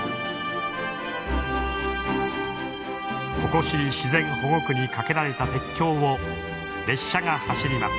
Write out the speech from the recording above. ココシリ自然保護区に架けられた鉄橋を列車が走ります。